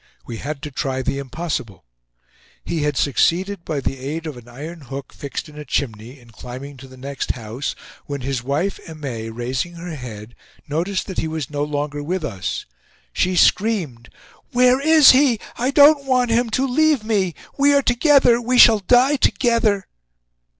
We had to try the impossible. He had succeeded, by the aid of an iron hook fixed in a chimney, in climbing to the next house, when his wife, Aimee, raising her head, noticed that he was no longer with us. She screamed: "Where is he? I don't want him to leave me! We are together, we shall die together!"